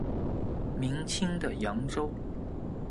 明清的扬州。